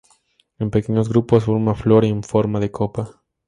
En pequeños grupos, forma flor en forma de copa.